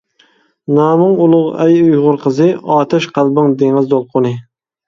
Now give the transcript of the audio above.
نامىڭ ئۇلۇغ ئەي ئۇيغۇر قىزى، ئاتەش قەلبىڭ دېڭىز دولقۇنى.